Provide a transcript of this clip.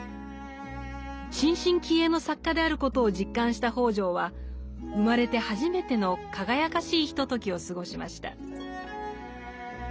新進気鋭の作家であることを実感した北條は生まれて初めての輝かしいひとときを過ごしました。